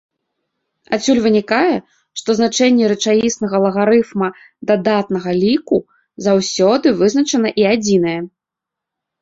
Адсюль вынікае, што значэнне рэчаіснага лагарыфма дадатнага ліку заўсёды вызначана і адзінае.